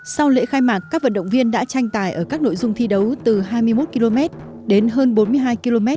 sau lễ khai mạc các vận động viên đã tranh tài ở các nội dung thi đấu từ hai mươi một km đến hơn bốn mươi hai km